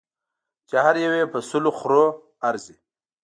چې هر یو یې په سلو خرو ارزي.